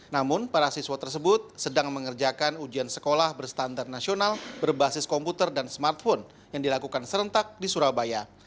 namun para siswa tersebut sedang mengerjakan ujian sekolah berstandar nasional berbasis komputer dan smartphone yang dilakukan serentak di surabaya